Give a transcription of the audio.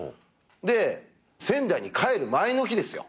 で仙台に帰る前の日ですよ。